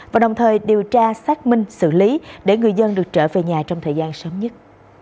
và đồng thời điều tra xác minh xử lý để người dân được trở về nhà trong thời gian sớm nhất